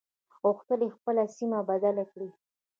غوښتل يې خپله سيمه بدله کړي.